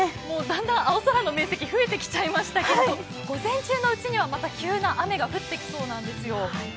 だんだん青空の面積増えてきちゃいましたけど午前中のうちには、また急な雨が降ってきそうなんですよ。